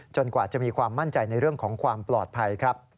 กว่าจะมีความมั่นใจในเรื่องของความปลอดภัยครับ